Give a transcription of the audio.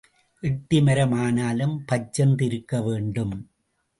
எட்டி மரம் ஆனாலும் பச்சென்று இருக்க வேண்டும்.